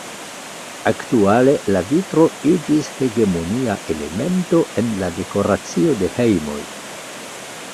Aktuale, la vitro iĝis hegemonia elemento en la dekoracio de hejmoj.